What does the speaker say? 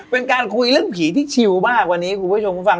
เป็นการคุยเรื่องผีที่ชิวมากกว่านี้คุณผู้ชมคุณฟัง